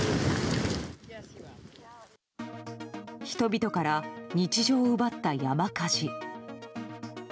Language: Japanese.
人々から日常を奪った山火事。